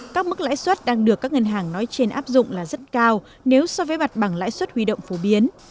các mức lãi suất đang được các ngân hàng nói trên áp dụng là rất cao nếu so với mặt bằng lãi suất huy động phổ biến